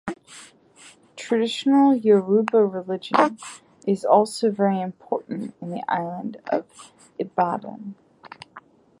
Traditional yoruba religion is also very important in the city of Ibadan.